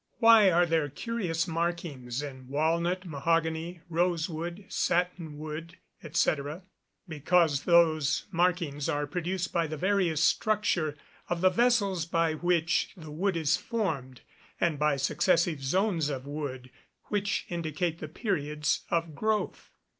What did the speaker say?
Why are there curious markings in walnut, mahogany, rose wood, satin wood, &c.? Because those markings are produced by the various structure of the vessels by which the wood is formed; and by successive zones of wood, which indicate the periods of growth.